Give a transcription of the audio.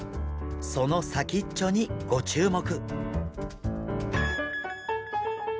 その先っちょにご注目！